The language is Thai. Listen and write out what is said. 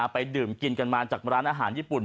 ไปดื่มกินกันมาจากร้านอาหารญี่ปุ่น